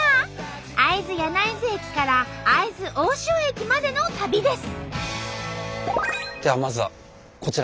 会津柳津駅から会津大塩駅までの旅です。